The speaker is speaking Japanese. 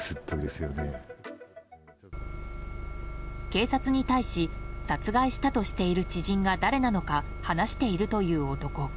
警察に対し殺害したとしている知人が誰なのか話しているという男。